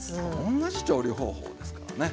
同じ調理方法ですからね。